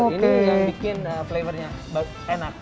ini yang bikin flavor nya enak